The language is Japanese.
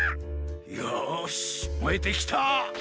よしもえてきた！